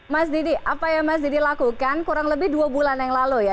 mas didi apa yang mas didi lakukan kurang lebih dua bulan yang lalu ya